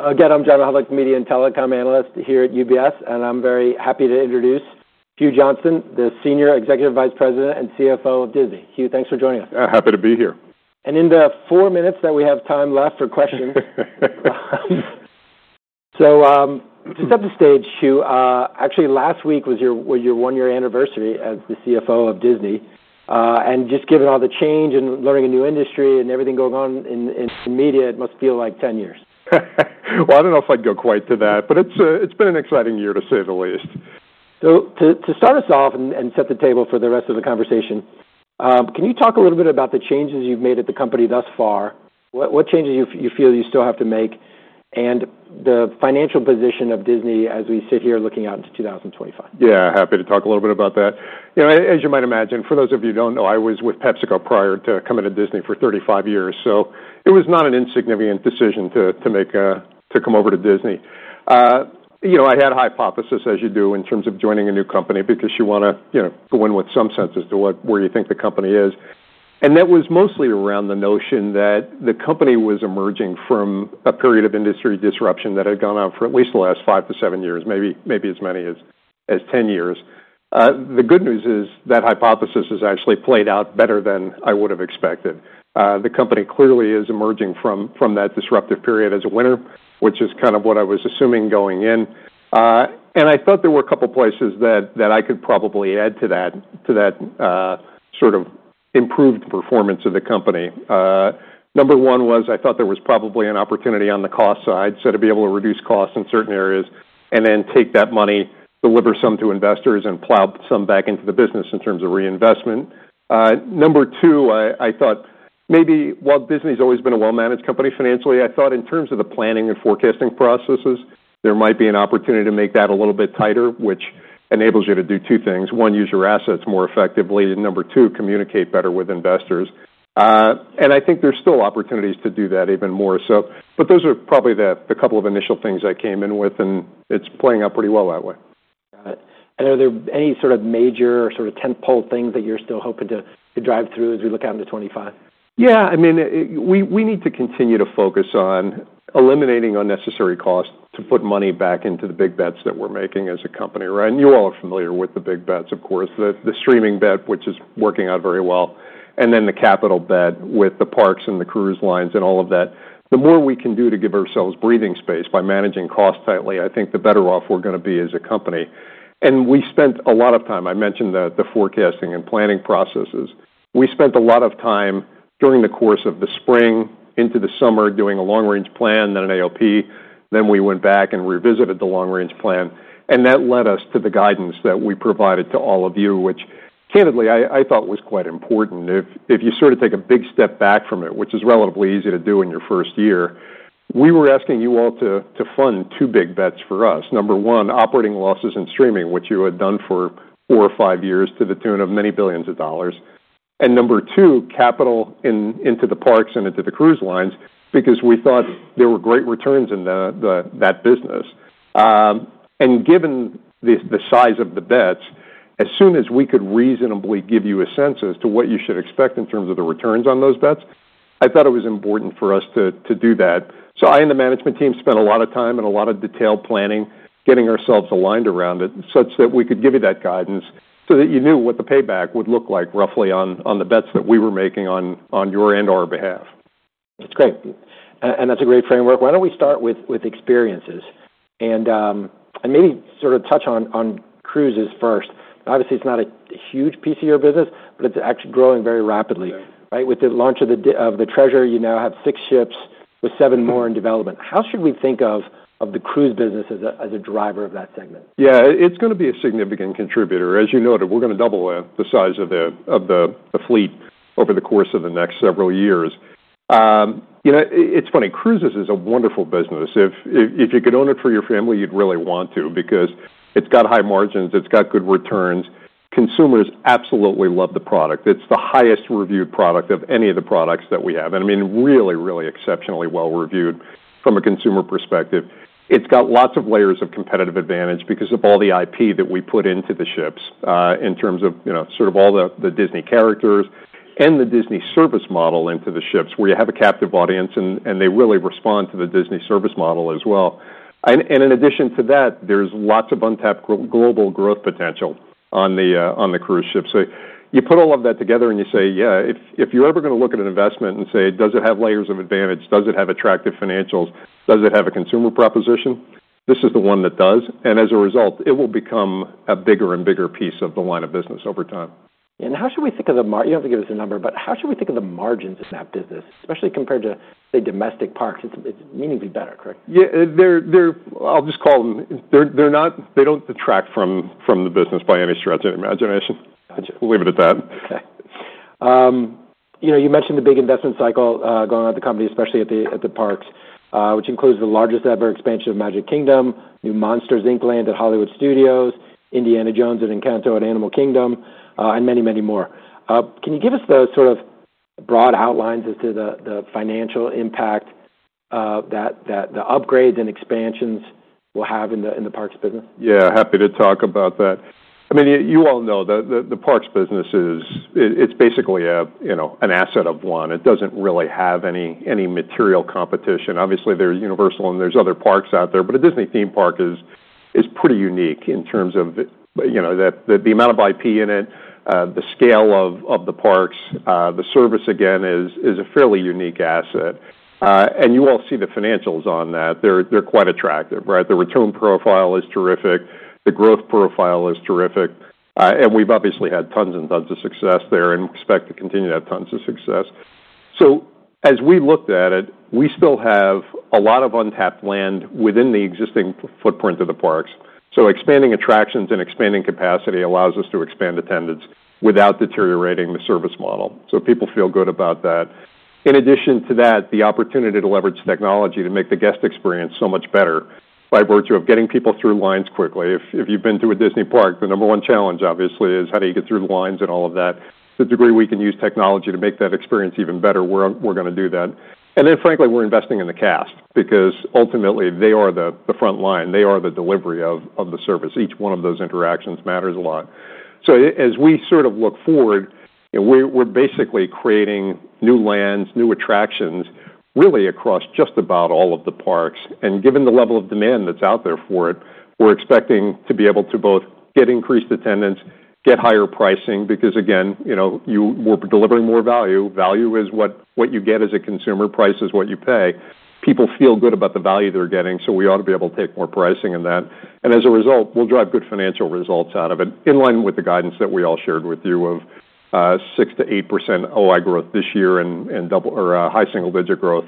Again, I'm John Hodulik, Media and Telecom Analyst here at UBS, and I'm very happy to introduce Hugh Johnston, the Senior Executive Vice President and CFO of Disney. Hugh, thanks for joining us. Happy to be here. And in the four minutes that we have time left for questions, so just up to stage, Hugh. Actually last week was your one-year anniversary as the CFO of Disney. And just given all the change and learning a new industry and everything going on in media, it must feel like 10 years. Well, I don't know if I can go quite to that, but it's been an exciting year to say the least. So to start us off and set the table for the rest of the conversation, can you talk a little bit about the changes you've made at the company thus far? What changes you feel you still have to make and the financial position of Disney as we sit here looking out into 2025? Yeah, happy to talk a little bit about that. As you might imagine, for those of you who don't know, I was with PepsiCo prior to coming to Disney for 35 years, so it was not an insignificant decision to come over to Disney. I had a hypothesis, as you do, in terms of joining a new company because you want to go in with some sense as to where you think the company is, and that was mostly around the notion that the company was emerging from a period of industry disruption that had gone on for at least the last five to seven years, maybe as many as 10 years. The good news is that hypothesis has actually played out better than I would have expected. The company clearly is emerging from that disruptive period as a winner, which is kind of what I was assuming going in. I thought there were a couple of places that I could probably add to that sort of improved performance of the company. Number one was I thought there was probably an opportunity on the cost side, so to be able to reduce costs in certain areas and then take that money, deliver some to investors, and plow some back into the business in terms of reinvestment. Number two, I thought maybe while Disney has always been a well-managed company financially, I thought in terms of the planning and forecasting processes, there might be an opportunity to make that a little bit tighter, which enables you to do two things. One, use your assets more effectively, and number two, communicate better with investors. And I think there's still opportunities to do that even more. But those are probably the couple of initial things I came in with, and it's playing out pretty well that way. Got it. And are there any sort of major sort of tentpole things that you're still hoping to drive through as we look out into 2025? Yeah. I mean, we need to continue to focus on eliminating unnecessary costs to put money back into the big bets that we're making as a company, right? And you all are familiar with the big bets, of course. The streaming bet, which is working out very well, and then the capital bet with the parks and the cruise lines and all of that. The more we can do to give ourselves breathing space by managing costs tightly, I think the better off we're going to be as a company. And we spent a lot of time, I mentioned the forecasting and planning processes, we spent a lot of time during the course of the spring into the summer doing a long-range plan, then an AOP, then we went back and revisited the long-range plan. And that led us to the guidance that we provided to all of you, which candidly, I thought was quite important. If you sort of take a big step back from it, which is relatively easy to do in your first year, we were asking you all to fund two big bets for us. Number one, operating losses in streaming, which you had done for four or five years to the tune of many billions of dollars. And number two, capital into the parks and into the cruise lines because we thought there were great returns in that business. And given the size of the bets, as soon as we could reasonably give you a sense as to what you should expect in terms of the returns on those bets, I thought it was important for us to do that. So I and the management team spent a lot of time and a lot of detailed planning, getting ourselves aligned around it such that we could give you that guidance so that you knew what the payback would look like roughly on the bets that we were making on your and our behalf. That's great. And that's a great framework. Why don't we start with experiences and maybe sort of touch on cruises first? Obviously, it's not a huge piece of your business, but it's actually growing very rapidly, right? With the launch of the Treasure, you now have six ships with seven more in development. How should we think of the cruise business as a driver of that segment? Yeah, it's going to be a significant contributor. As you noted, we're going to double the size of the fleet over the course of the next several years. It's funny. Cruises is a wonderful business. If you could own it for your family, you'd really want to because it's got high margins, it's got good returns. Consumers absolutely love the product. It's the highest-reviewed product of any of the products that we have. And I mean, really, really exceptionally well-reviewed from a consumer perspective. It's got lots of layers of competitive advantage because of all the IP that we put into the ships in terms of sort of all the Disney characters and the Disney service model into the ships where you have a captive audience and they really respond to the Disney service model as well. In addition to that, there's lots of untapped global growth potential on the cruise ships. You put all of that together and you say, "Yeah, if you're ever going to look at an investment and say, 'Does it have layers of advantage? Does it have attractive financials? Does it have a consumer proposition?'" This is the one that does. As a result, it will become a bigger and bigger piece of the line of business over time. And how should we think of the, you don't have to give us a number, but how should we think of the margins in that business, especially compared to, say, domestic parks? It's meaningfully better, correct? Yeah. I'll just call them. They don't detract from the business by any stretch of the imagination. We'll leave it at that. Okay. You mentioned the big investment cycle going on at the company, especially at the parks, which includes the largest-ever expansion of Magic Kingdom, new Monsters, Inc. land at Disney's Hollywood Studios, Indiana Jones and Encanto at Disney's Animal Kingdom, and many, many more. Can you give us those sort of broad outlines as to the financial impact that the upgrades and expansions will have in the parks business? Yeah, happy to talk about that. I mean, you all know that the parks business is, it's basically an asset of one. It doesn't really have any material competition. Obviously, there's Universal and there's other parks out there, but a Disney theme park is pretty unique in terms of the amount of IP in it, the scale of the parks. The service, again, is a fairly unique asset. And you all see the financials on that. They're quite attractive, right? The return profile is terrific. The growth profile is terrific. And we've obviously had tons and tons of success there and expect to continue to have tons of success. So as we looked at it, we still have a lot of untapped land within the existing footprint of the parks. So expanding attractions and expanding capacity allows us to expand attendance without deteriorating the service model. So people feel good about that. In addition to that, the opportunity to leverage technology to make the guest experience so much better by virtue of getting people through lines quickly. If you've been to a Disney park, the number one challenge, obviously, is how do you get through the lines and all of that. To the degree we can use technology to make that experience even better, we're going to do that. And then, frankly, we're investing in the cast because ultimately, they are the front line. They are the delivery of the service. Each one of those interactions matters a lot. So as we sort of look forward, we're basically creating new lands, new attractions, really across just about all of the parks. And given the level of demand that's out there for it, we're expecting to be able to both get increased attendance, get higher pricing because, again, we're delivering more value. Value is what you get as a consumer. Price is what you pay. People feel good about the value they're getting, so we ought to be able to take more pricing in that. And as a result, we'll drive good financial results out of it in line with the guidance that we all shared with you of 6%-8% OI growth this year and high single-digit growth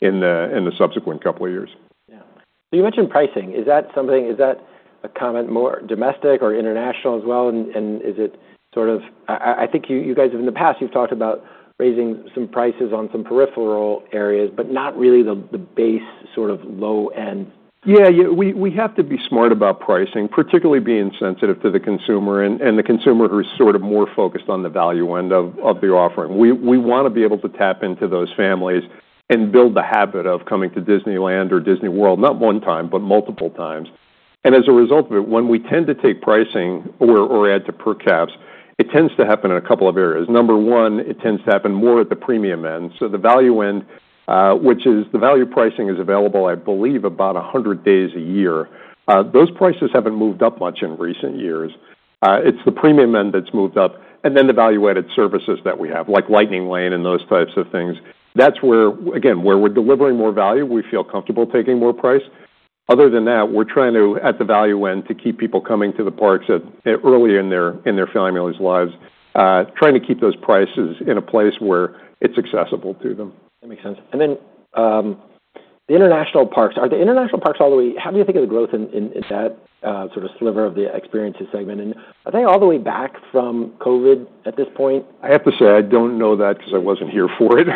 in the subsequent couple of years. Yeah. So you mentioned pricing. Is that something—is that a comment more domestic or international as well? And is it sort of—I think you guys have in the past, you've talked about raising some prices on some peripheral areas, but not really the base sort of low-end. Yeah. We have to be smart about pricing, particularly being sensitive to the consumer and the consumer who's sort of more focused on the value end of the offering. We want to be able to tap into those families and build the habit of coming to Disneyland or Disney World, not one time, but multiple times. And as a result of it, when we tend to take pricing or add to per caps, it tends to happen in a couple of areas. Number one, it tends to happen more at the premium end. So the value end, which is the value pricing is available, I believe, about 100 days a year. Those prices haven't moved up much in recent years. It's the premium end that's moved up. And then the value-added services that we have, like Lightning Lane and those types of things. That's where, again, we're delivering more value, we feel comfortable taking more price. Other than that, we're trying to, at the value end, keep people coming to the parks early in their family's lives, trying to keep those prices in a place where it's accessible to them. That makes sense. And then the international parks. Are the international parks all the way, how do you think of the growth in that sort of sliver of the experiences segment? And are they all the way back from COVID at this point? I have to say, I don't know that because I wasn't here for it.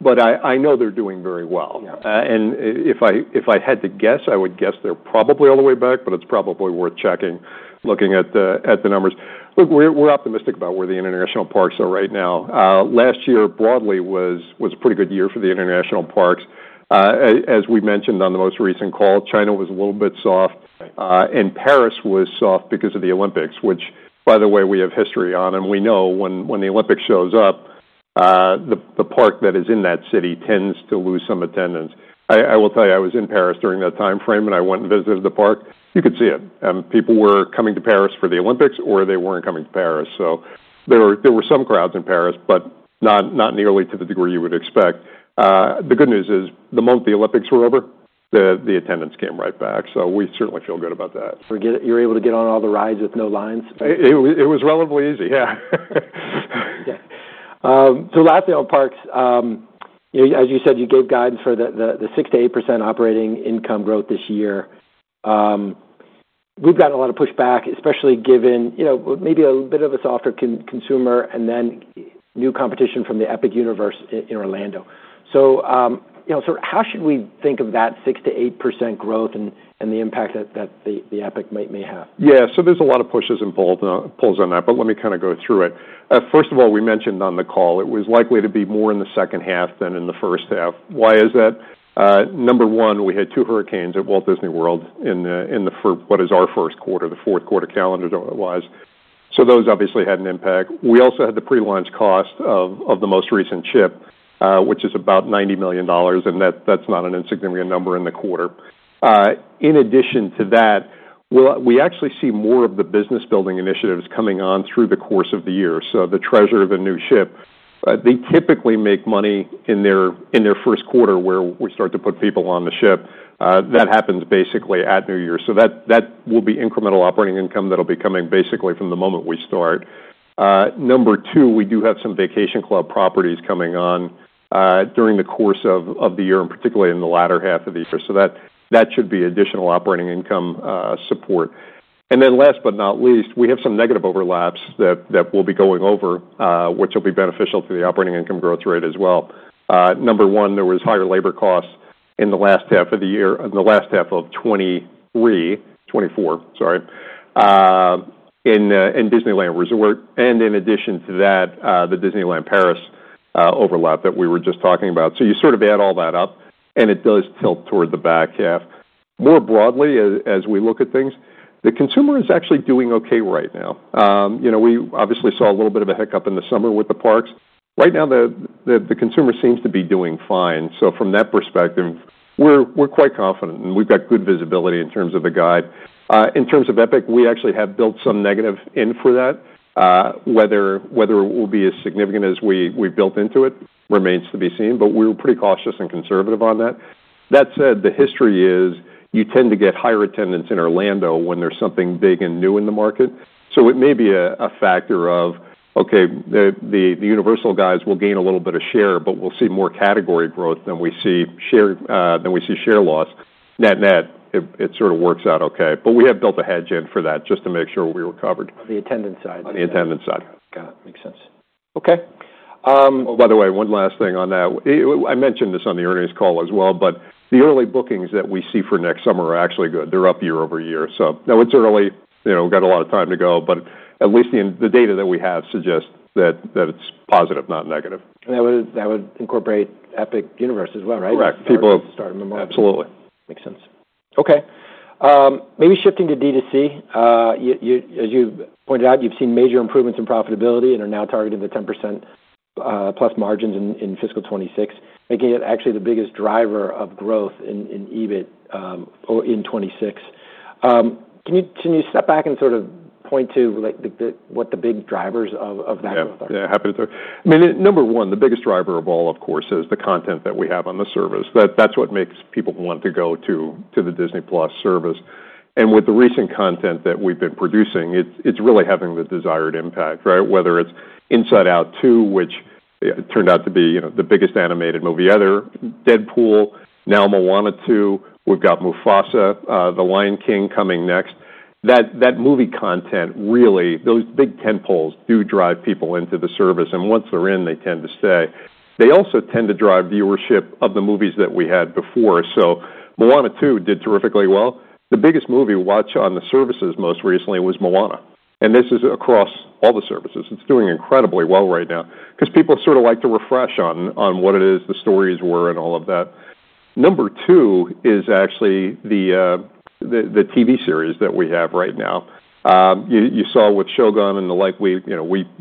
But I know they're doing very well. And if I had to guess, I would guess they're probably all the way back, but it's probably worth checking, looking at the numbers. Look, we're optimistic about where the international parks are right now. Last year, broadly, was a pretty good year for the international parks. As we mentioned on the most recent call, China was a little bit soft. And Paris was soft because of the Olympics, which, by the way, we have history on. And we know when the Olympics shows up, the park that is in that city tends to lose some attendance. I will tell you, I was in Paris during that time frame, and I went and visited the park. You could see it. People were coming to Paris for the Olympics, or they weren't coming to Paris. So there were some crowds in Paris, but not nearly to the degree you would expect. The good news is the month the Olympics were over, the attendance came right back. So we certainly feel good about that. You were able to get on all the rides with no lines? It was relatively easy. Yeah. Yeah. So lastly, on parks, as you said, you gave guidance for the 6%-8% operating income growth this year. We've gotten a lot of pushback, especially given maybe a little bit of a softer consumer and then new competition from the Epic Universe in Orlando. So sort of how should we think of that 6%-8% growth and the impact that the Epic may have? Yeah, so there's a lot of pushes and pulls in that, but let me kind of go through it. First of all, we mentioned on the call, it was likely to be more in the second half than in the first half. Why is that? Number one, we had two hurricanes at Walt Disney World in what is our first quarter, the fourth quarter calendar-wise, so those obviously had an impact. We also had the pre-launch cost of the most recent ship, which is about $90 million, and that's not an insignificant number in the quarter. In addition to that, we actually see more of the business-building initiatives coming on through the course of the year, so the Treasure, the new ship, they typically make money in their first quarter where we start to put people on the ship. That happens basically at New Year's. So that will be incremental operating income that'll be coming basically from the moment we start. Number two, we do have some vacation club properties coming on during the course of the year, and particularly in the latter half of the year. So that should be additional operating income support. And then last but not least, we have some negative overlaps that we'll be going over, which will be beneficial to the operating income growth rate as well. Number one, there was higher labor costs in the last half of the year, in the last half of 2023, 2024, sorry, in Disneyland Resort. And in addition to that, the Disneyland Paris overlap that we were just talking about. So you sort of add all that up, and it does tilt toward the back half. More broadly, as we look at things, the consumer is actually doing okay right now. We obviously saw a little bit of a hiccup in the summer with the parks. Right now, the consumer seems to be doing fine. So from that perspective, we're quite confident, and we've got good visibility in terms of the guide. In terms of Epic, we actually have built some negative in for that. Whether it will be as significant as we've built into it remains to be seen, but we were pretty cautious and conservative on that. That said, the history is you tend to get higher attendance in Orlando when there's something big and new in the market. So it may be a factor of, okay, the Universal guys will gain a little bit of share, but we'll see more category growth than we see share loss. Net net, it sort of works out okay. But we have built a hedge in for that just to make sure we were covered. On the attendance side. On the attendance side. Got it. Makes sense. Okay. Oh, by the way, one last thing on that. I mentioned this on the earnings call as well, but the early bookings that we see for next summer are actually good. They're up year over year. So now it's early. We've got a lot of time to go, but at least the data that we have suggests that it's positive, not negative. That would incorporate Epic Universe as well, right? Correct. People. Starting tomorrow. Absolutely. Makes sense. Okay. Maybe shifting to D2C. As you pointed out, you've seen major improvements in profitability and are now targeting the 10%+ margins in fiscal 2026, making it actually the biggest driver of growth in EBIT in 2026. Can you step back and sort of point to what the big drivers of that growth are? Yeah. Yeah. Happy to talk. I mean, number one, the biggest driver of all, of course, is the content that we have on the service. That's what makes people want to go to the Disney+ service. And with the recent content that we've been producing, it's really having the desired impact, right? Whether it's Inside Out 2, which turned out to be the biggest animated movie, Deadpool, now Moana 2, we've got Mufasa, The Lion King coming next. That movie content, really, those big tentpoles do drive people into the service. And once they're in, they tend to stay. They also tend to drive viewership of the movies that we had before. So Moana 2 did terrifically well. The biggest movie watched on the services most recently was Moana. And this is across all the services. It's doing incredibly well right now because people sort of like to refresh on what it is, the stories were, and all of that. Number two is actually the TV series that we have right now. You saw with Shogun and the like, we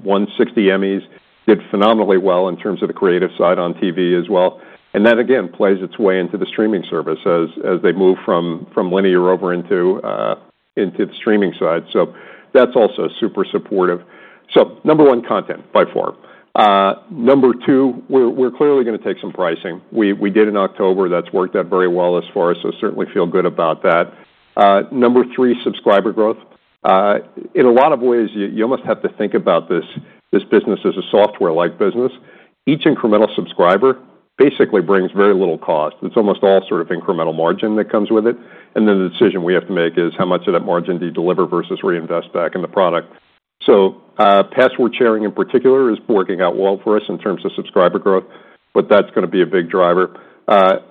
won 60 Emmys, did phenomenally well in terms of the creative side on TV as well. And that, again, plays its way into the streaming service as they move from linear over into the streaming side. So that's also super supportive. So number one, content by far. Number two, we're clearly going to take some pricing. We did in October. That's worked out very well as far as I certainly feel good about that. Number three, subscriber growth. In a lot of ways, you almost have to think about this business as a software-like business. Each incremental subscriber basically brings very little cost. It's almost all sort of incremental margin that comes with it. And then the decision we have to make is how much of that margin do you deliver versus reinvest back in the product. So password sharing in particular is working out well for us in terms of subscriber growth, but that's going to be a big driver.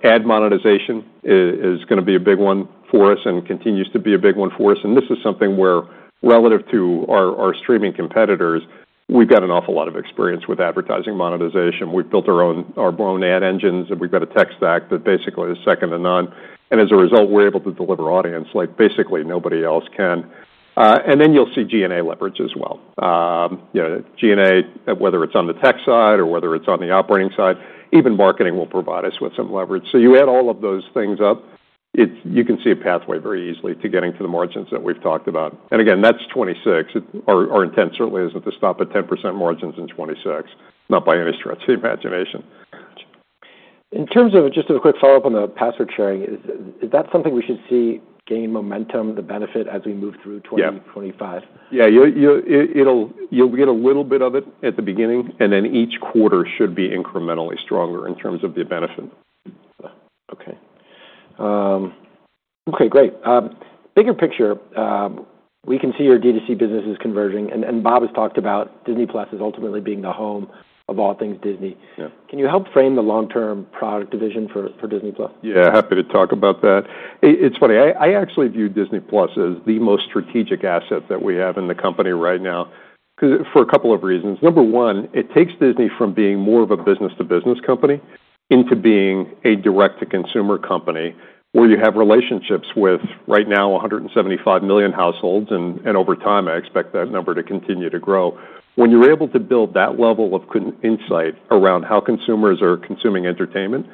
Ad monetization is going to be a big one for us and continues to be a big one for us. And this is something where, relative to our streaming competitors, we've got an awful lot of experience with advertising monetization. We've built our own ad engines, and we've got a tech stack that basically is second to none. And as a result, we're able to deliver audience like basically nobody else can. And then you'll see G&A leverage as well. G&A, whether it's on the tech side or whether it's on the operating side, even marketing will provide us with some leverage. So you add all of those things up, you can see a pathway very easily to getting to the margins that we've talked about. And again, that's 2026. Our intent certainly isn't to stop at 10% margins in 2026, not by any stretch of the imagination. In terms of just a quick follow-up on the password sharing, is that something we should see gain momentum, the benefit as we move through 2024, 2025? Yeah. Yeah. You'll get a little bit of it at the beginning, and then each quarter should be incrementally stronger in terms of the benefit. Okay. Okay. Great. Bigger picture, we can see your D2C businesses converging. And Bob has talked about Disney+ as ultimately being the home of all things Disney. Can you help frame the long-term product vision for Disney+? Yeah. Happy to talk about that. It's funny. I actually view Disney+ as the most strategic asset that we have in the company right now for a couple of reasons. Number one, it takes Disney from being more of a business-to-business company into being a direct-to-consumer company where you have relationships with right now 175 million households. And over time, I expect that number to continue to grow. When you're able to build that level of insight around how consumers are consuming entertainment,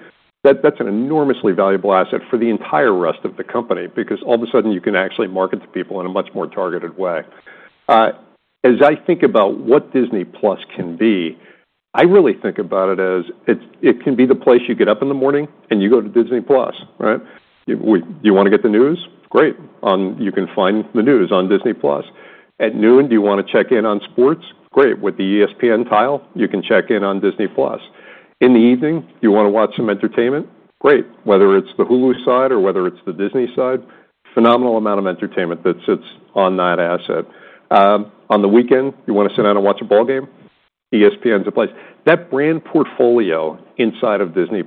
that's an enormously valuable asset for the entire rest of the company because all of a sudden, you can actually market to people in a much more targeted way. As I think about what Disney+ can be, I really think about it as it can be the place you get up in the morning and you go to Disney+, right? You want to get the news? Great. You can find the news on Disney+. At noon, do you want to check in on sports? Great. With the ESPN tile, you can check in on Disney+. In the evening, do you want to watch some entertainment? Great. Whether it's the Hulu side or whether it's the Disney side, phenomenal amount of entertainment that sits on that asset. On the weekend, you want to sit down and watch a ball game? ESPN's a place. That brand portfolio inside of Disney+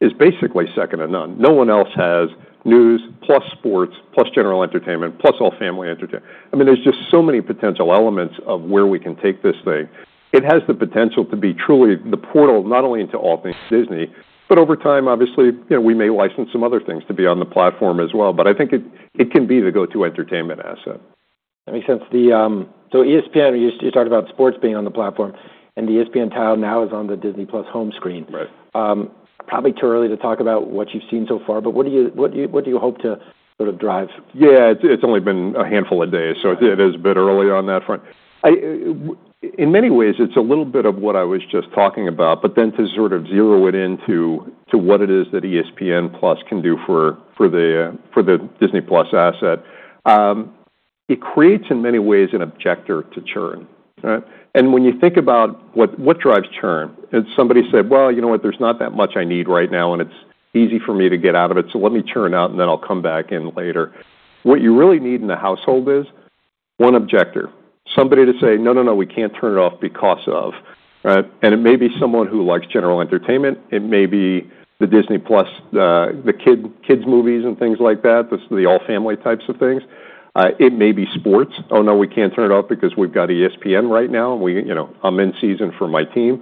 is basically second to none. No one else has news plus sports plus general entertainment plus all family entertainment. I mean, there's just so many potential elements of where we can take this thing. It has the potential to be truly the portal not only into all things Disney, but over time, obviously, we may license some other things to be on the platform as well. But I think it can be the go-to entertainment asset. That makes sense. So ESPN, you talked about sports being on the platform, and the ESPN tile now is on the Disney+ home screen. Probably too early to talk about what you've seen so far, but what do you hope to sort of drive? Yeah. It's only been a handful of days, so it is a bit early on that front. In many ways, it's a little bit of what I was just talking about, but then to sort of zero in on what it is that ESPN+ can do for the Disney+ asset. It creates in many ways an obstacle to churn, right? And when you think about what drives churn, and somebody said, "Well, you know what? There's not that much I need right now, and it's easy for me to get out of it, so let me churn out, and then I'll come back in later." What you really need in the household is one obstacle, somebody to say, "No, no, no. We can't turn it off because of," right? And it may be someone who likes general entertainment. It may be the Disney+, the kids' movies and things like that, the all-family types of things. It may be sports. "Oh, no, we can't turn it off because we've got ESPN right now. I'm in season for my team."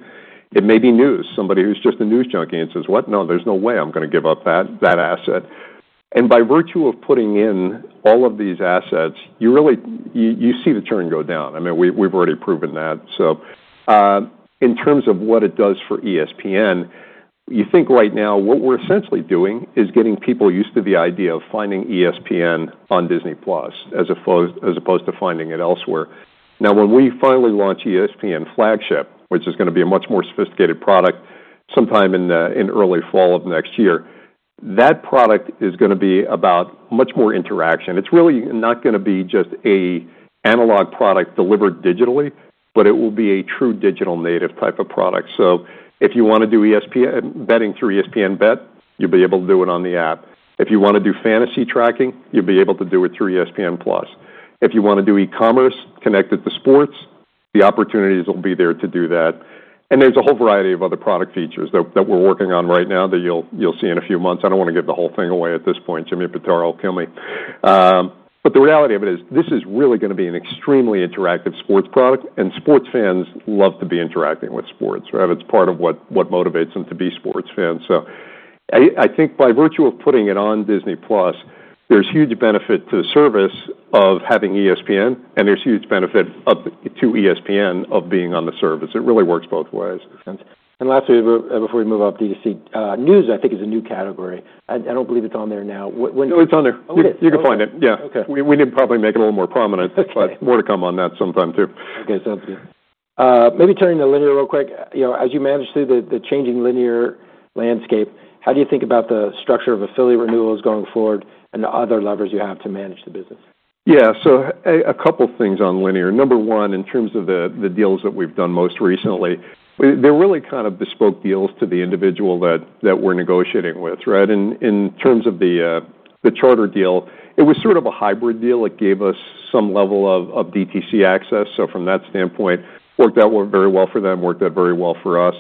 It may be news, somebody who's just a news junkie and says, "What? No, there's no way I'm going to give up that asset." And by virtue of putting in all of these assets, you see the churn go down. I mean, we've already proven that. So in terms of what it does for ESPN, you think right now what we're essentially doing is getting people used to the idea of finding ESPN on Disney+ as opposed to finding it elsewhere. Now, when we finally launch ESPN Flagship, which is going to be a much more sophisticated product sometime in early fall of next year, that product is going to be about much more interaction. It's really not going to be just an analog product delivered digitally, but it will be a true digital native type of product. So if you want to do betting through ESPN Bet, you'll be able to do it on the app. If you want to do fantasy tracking, you'll be able to do it through ESPN+. If you want to do e-commerce connected to sports, the opportunities will be there to do that. And there's a whole variety of other product features that we're working on right now that you'll see in a few months. I don't want to give the whole thing away at this point. Jimmy Pitaro, kill me. But the reality of it is this is really going to be an extremely interactive sports product, and sports fans love to be interacting with sports, right? It's part of what motivates them to be sports fans. So I think by virtue of putting it on Disney+, there's huge benefit to the service of having ESPN, and there's huge benefit to ESPN of being on the service. It really works both ways. Makes sense. And lastly, before we move off D2C, news, I think, is a new category. I don't believe it's on there now. No, it's on there. You can find it. Yeah. We need to probably make it a little more prominent, but more to come on that sometime too. Okay. Sounds good. Maybe turning to linear real quick. As you manage through the changing linear landscape, how do you think about the structure of affiliate renewals going forward and other levers you have to manage the business? Yeah. So a couple of things on linear. Number one, in terms of the deals that we've done most recently, they're really kind of bespoke deals to the individual that we're negotiating with, right? In terms of the Charter deal, it was sort of a hybrid deal. It gave us some level of DTC access. So from that standpoint, worked out very well for them, worked out very well for us.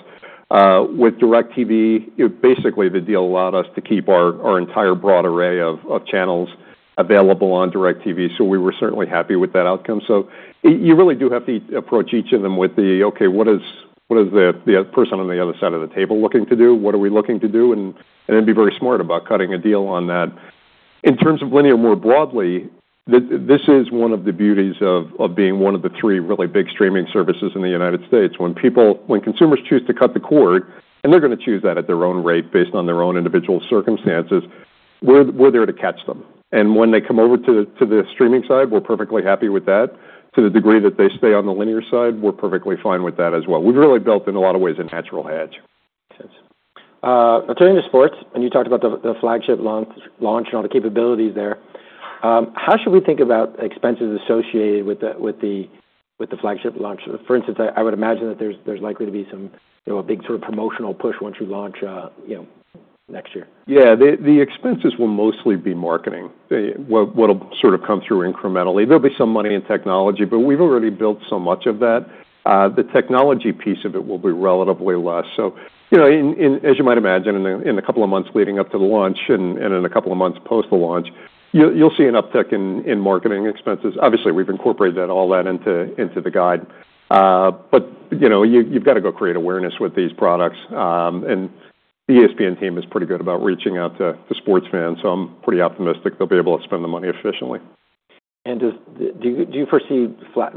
With DirecTV, basically, the deal allowed us to keep our entire broad array of channels available on DirecTV. So we were certainly happy with that outcome. So you really do have to approach each of them with the, "Okay. What is the person on the other side of the table looking to do? What are we looking to do?" And then be very smart about cutting a deal on that. In terms of linear more broadly, this is one of the beauties of being one of the three really big streaming services in the United States. When consumers choose to cut the cord, and they're going to choose that at their own rate based on their own individual circumstances, we're there to catch them, and when they come over to the streaming side, we're perfectly happy with that. To the degree that they stay on the linear side, we're perfectly fine with that as well. We've really built in a lot of ways a natural hedge. Makes sense. Now, turning to sports, and you talked about the flagship launch and all the capabilities there. How should we think about expenses associated with the flagship launch? For instance, I would imagine that there's likely to be a big sort of promotional push once you launch next year. Yeah. The expenses will mostly be marketing. What will sort of come through incrementally. There'll be some money in technology, but we've already built so much of that. The technology piece of it will be relatively less. So as you might imagine, in the couple of months leading up to the launch and in a couple of months post the launch, you'll see an uptick in marketing expenses. Obviously, we've incorporated all that into the guide. But you've got to go create awareness with these products. And the ESPN team is pretty good about reaching out to sports fans. So I'm pretty optimistic they'll be able to spend the money efficiently. Do you foresee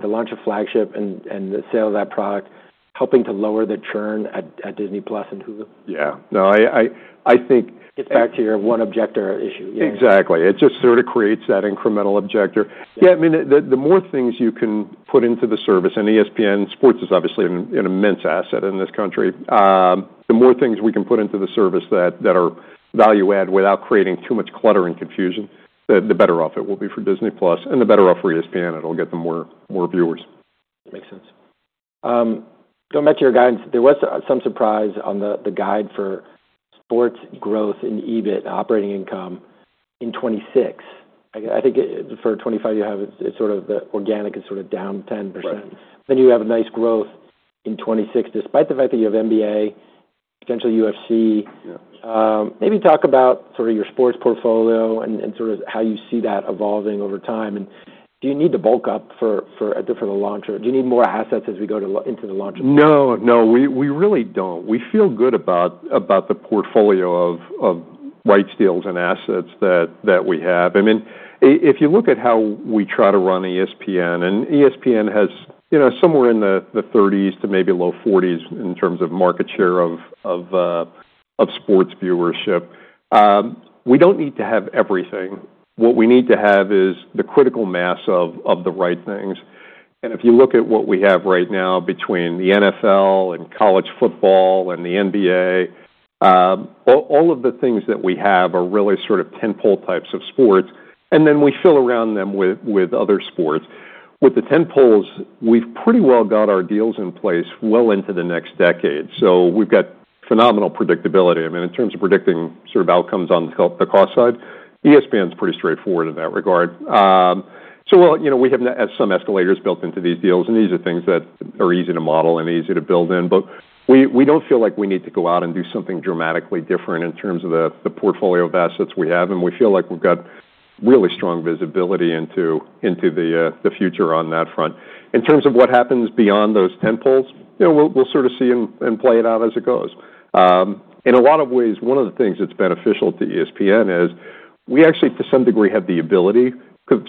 the launch of Flagship and the sale of that product helping to lower the churn at Disney+ and Hulu? Yeah. No, I think. Gets back to your one objector issue. Yeah. Exactly. It just sort of creates that incremental objector. Yeah. I mean, the more things you can put into the service, and ESPN Sports is obviously an immense asset in this country. The more things we can put into the service that are value-add without creating too much clutter and confusion, the better off it will be for Disney+. And the better off for ESPN, it'll get them more viewers. Makes sense. Going back to your guidance, there was some surprise on the guide for sports growth in EBIT, operating income in 2026. I think for 2025, you have sort of the organic is sort of down 10%. Then you have a nice growth in 2026 despite the fact that you have NBA, potentially UFC. Maybe talk about sort of your sports portfolio and sort of how you see that evolving over time. And do you need to bulk up for the launch? Or do you need more assets as we go into the launch? No. No, we really don't. We feel good about the portfolio of rights, deals, and assets that we have. I mean, if you look at how we try to run ESPN, and ESPN has somewhere in the 30s to maybe low 40s in terms of market share of sports viewership. We don't need to have everything. What we need to have is the critical mass of the right things, and if you look at what we have right now between the NFL and college football and the NBA, all of the things that we have are really sort of tentpole types of sports, and then we fill around them with other sports. With the tentpoles, we've pretty well got our deals in place well into the next decade, so we've got phenomenal predictability. I mean, in terms of predicting sort of outcomes on the cost side, ESPN's pretty straightforward in that regard. So we have some escalators built into these deals, and these are things that are easy to model and easy to build in. But we don't feel like we need to go out and do something dramatically different in terms of the portfolio of assets we have. And we feel like we've got really strong visibility into the future on that front. In terms of what happens beyond those tentpoles, we'll sort of see and play it out as it goes. In a lot of ways, one of the things that's beneficial to ESPN is we actually, to some degree, have the ability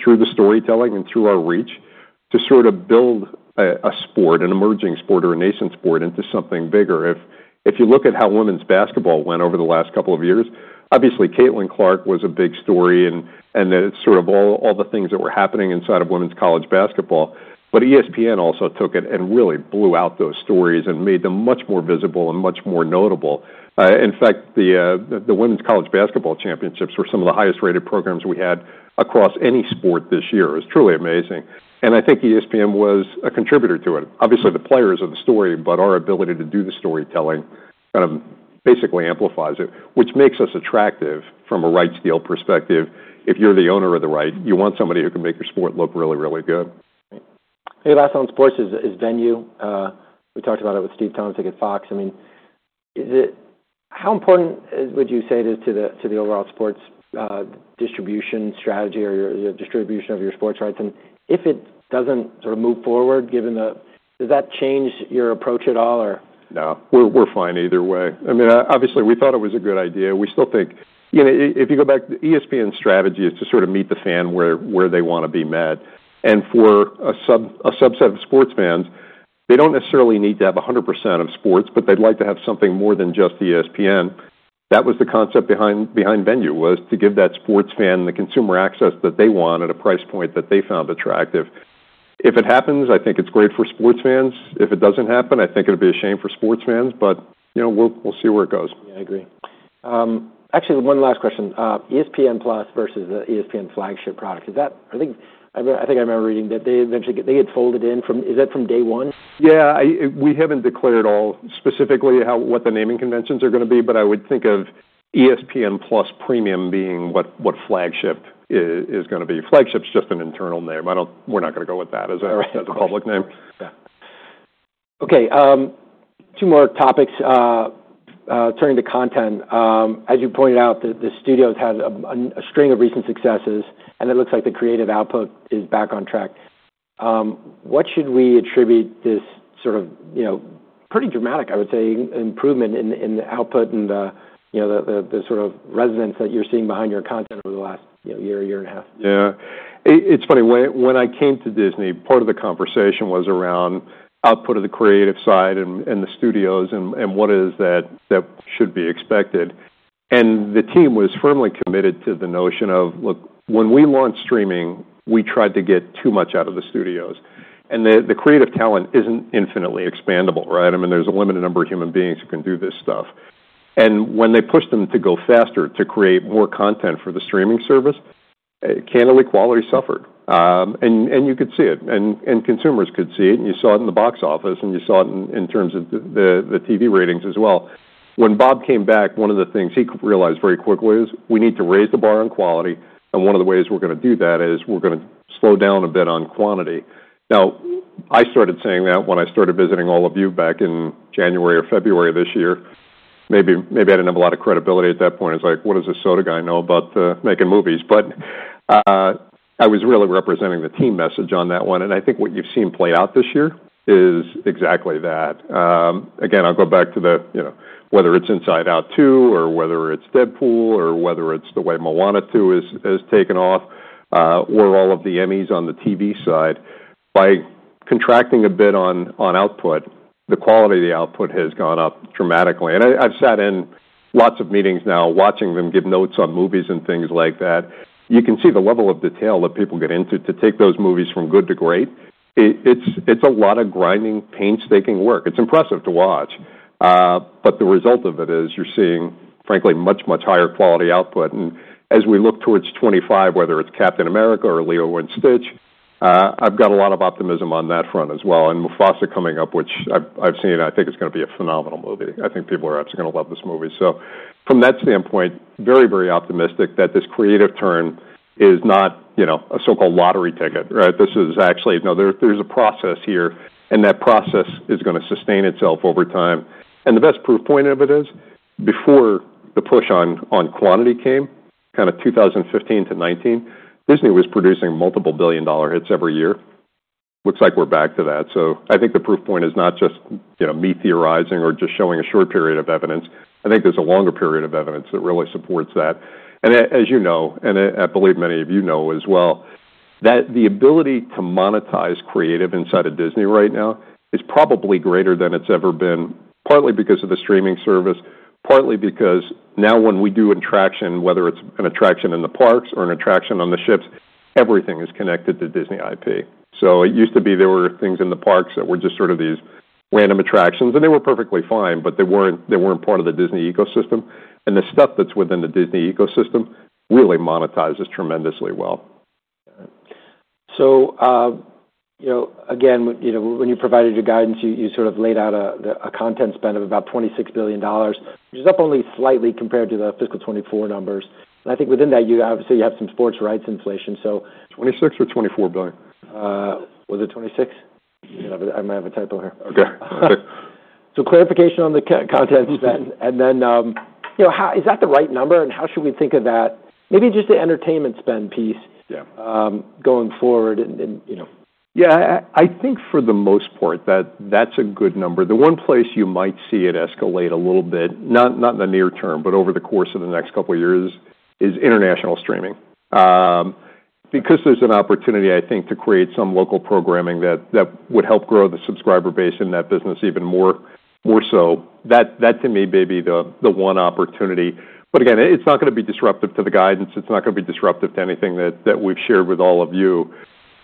through the storytelling and through our reach to sort of build a sport, an emerging sport or a nascent sport into something bigger. If you look at how women's basketball went over the last couple of years, obviously, Caitlin Clark was a big story and sort of all the things that were happening inside of women's college basketball. But ESPN also took it and really blew out those stories and made them much more visible and much more notable. In fact, the women's college basketball championships were some of the highest-rated programs we had across any sport this year. It was truly amazing. And I think ESPN was a contributor to it. Obviously, the players are the story, but our ability to do the storytelling kind of basically amplifies it, which makes us attractive from a rights deal perspective. If you're the owner of the right, you want somebody who can make your sport look really, really good. Hey, last on sports is Venu. We talked about it with Steve Tomsic at Fox. I mean, how important would you say it is to the overall sports distribution strategy or your distribution of your sports rights? And if it doesn't sort of move forward, does that change your approach at all, or? No. We're fine either way. I mean, obviously, we thought it was a good idea. We still think if you go back, ESPN's strategy is to sort of meet the fan where they want to be met. And for a subset of sports fans, they don't necessarily need to have 100% of sports, but they'd like to have something more than just ESPN. That was the concept behind Venu, was to give that sports fan the consumer access that they want at a price point that they found attractive. If it happens, I think it's great for sports fans. If it doesn't happen, I think it'd be a shame for sports fans, but we'll see where it goes. Yeah. I agree. Actually, one last question. ESPN+ versus the ESPN flagship product, I think I remember reading that they get folded in. Is that from day one? Yeah. We haven't declared at all specifically what the naming conventions are going to be, but I would think of ESPN+ Premium being what Flagship is going to be. Flagship's just an internal name. We're not going to go with that as a public name. Okay. Two more topics. Turning to content. As you pointed out, the studio has had a string of recent successes, and it looks like the creative output is back on track. What should we attribute this sort of pretty dramatic, I would say, improvement in the output and the sort of resonance that you're seeing behind your content over the last year, year and a half? Yeah. It's funny. When I came to Disney, part of the conversation was around output of the creative side and the studios and what is that should be expected. And the team was firmly committed to the notion of, "Look, when we launch streaming, we tried to get too much out of the studios." And the creative talent isn't infinitely expandable, right? I mean, there's a limited number of human beings who can do this stuff. And when they pushed them to go faster to create more content for the streaming service, candidly, quality suffered. And you could see it. And consumers could see it. And you saw it in the box office. And you saw it in terms of the TV ratings as well. When Bob came back, one of the things he realized very quickly is we need to raise the bar on quality. And one of the ways we're going to do that is we're going to slow down a bit on quantity. Now, I started saying that when I started visiting all of you back in January or February this year. Maybe I didn't have a lot of credibility at that point. I was like, "What does this soda guy know about making movies?" But I was really representing the team message on that one. And I think what you've seen played out this year is exactly that. Again, I'll go back to whether it's Inside Out 2 or whether it's Deadpool or whether it's the way Moana 2 has taken off or all of the Emmys on the TV side. By contracting a bit on output, the quality of the output has gone up dramatically. And I've sat in lots of meetings now watching them give notes on movies and things like that. You can see the level of detail that people get into to take those movies from good to great. It's a lot of grinding, painstaking work. It's impressive to watch. But the result of it is you're seeing, frankly, much, much higher quality output. And as we look towards 2025, whether it's Captain America or Lilo & Stitch, I've got a lot of optimism on that front as well. And Mufasa coming up, which I've seen, I think it's going to be a phenomenal movie. I think people are absolutely going to love this movie. So from that standpoint, very, very optimistic that this creative turn is not a so-called lottery ticket, right? This is actually there's a process here, and that process is going to sustain itself over time. The best proof point of it is before the push on quantity came, kind of 2015 to 2019, Disney was producing multiple billion-dollar hits every year. Looks like we're back to that. I think the proof point is not just me theorizing or just showing a short period of evidence. I think there's a longer period of evidence that really supports that. As you know, and I believe many of you know as well, that the ability to monetize creative inside of Disney right now is probably greater than it's ever been, partly because of the streaming service, partly because now when we do attraction, whether it's an attraction in the parks or an attraction on the ships, everything is connected to Disney IP. It used to be there were things in the parks that were just sort of these random attractions. And they were perfectly fine, but they weren't part of the Disney ecosystem. And the stuff that's within the Disney ecosystem really monetizes tremendously well. Got it. So again, when you provided your guidance, you sort of laid out a content spend of about $26 billion, which is up only slightly compared to the fiscal 2024 numbers. And I think within that, obviously, you have some sports rights inflation. So. billion or $24 billion? Was it 26? I might have a typo here. Okay. So, clarification on the content spend. And then, is that the right number? And how should we think of that? Maybe just the entertainment spend piece going forward. Yeah. I think for the most part that that's a good number. The one place you might see it escalate a little bit, not in the near term, but over the course of the next couple of years, is international streaming. Because there's an opportunity, I think, to create some local programming that would help grow the subscriber base in that business even more so. That to me may be the one opportunity. But again, it's not going to be disruptive to the guidance. It's not going to be disruptive to anything that we've shared with all of you.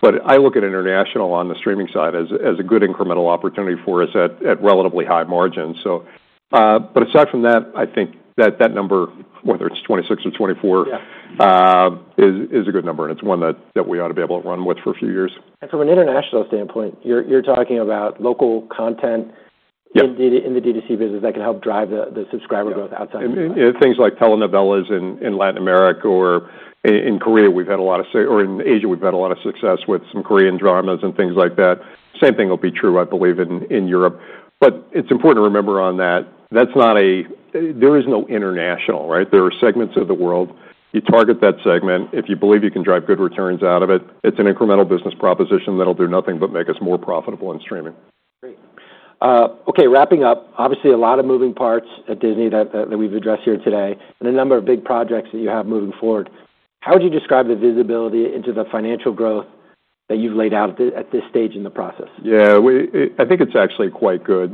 But I look at international on the streaming side as a good incremental opportunity for us at relatively high margins. But aside from that, I think that number, whether it's 26 or 24, is a good number. It's one that we ought to be able to run with for a few years. From an international standpoint, you're talking about local content in the DTC business that can help drive the subscriber growth outside of the U.S. Yeah. Things like telenovelas in Latin America or in Korea or in Asia, we've had a lot of success with some Korean dramas and things like that. Same thing will be true, I believe, in Europe. But it's important to remember that there is no international, right? There are segments of the world. You target that segment. If you believe you can drive good returns out of it, it's an incremental business proposition that'll do nothing but make us more profitable in streaming. Great. Okay. Wrapping up, obviously, a lot of moving parts at Disney that we've addressed here today and a number of big projects that you have moving forward. How would you describe the visibility into the financial growth that you've laid out at this stage in the process? Yeah. I think it's actually quite good.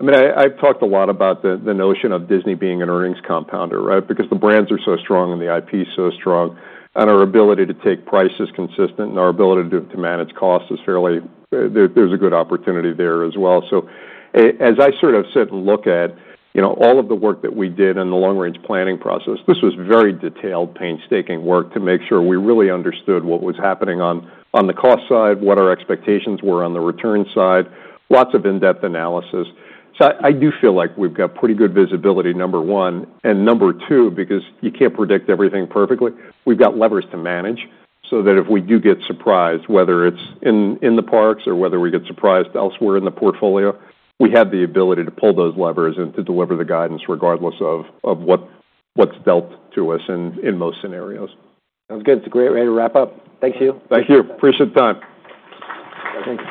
I mean, I've talked a lot about the notion of Disney being an earnings compounder, right? Because the brands are so strong and the IP is so strong. And our ability to take price is consistent. And our ability to manage costs is fairly good. There's a good opportunity there as well. So as I sort of sit and look at all of the work that we did in the long-range planning process, this was very detailed, painstaking work to make sure we really understood what was happening on the cost side, what our expectations were on the return side, lots of in-depth analysis. So I do feel like we've got pretty good visibility, number one. Number two, because you can't predict everything perfectly, we've got levers to manage so that if we do get surprised, whether it's in the parks or whether we get surprised elsewhere in the portfolio, we have the ability to pull those levers and to deliver the guidance regardless of what's dealt to us in most scenarios. Sounds good. It's a great way to wrap up. Thanks, Hugh. Thank you. Appreciate the time. Thanks.